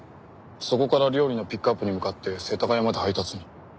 そこから料理のピックアップに向かって世田谷まで配達に。